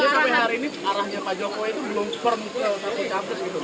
tapi hari ini arahnya pak jokowi itu belum form satu capres gitu